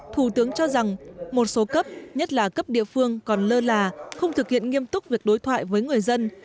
thủ tướng cho rằng một số cấp nhất là cấp địa phương còn lơ là không thực hiện nghiêm túc việc đối thoại với người dân